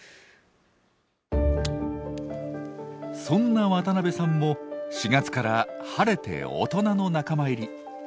そんな渡部さんも４月から晴れて大人の仲間入り。